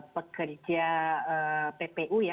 pekerja ppu ya